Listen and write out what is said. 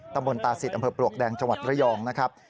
ตำบลตาศิษย์อำเภอปลวกแดงจังหวัดระยองนะครับ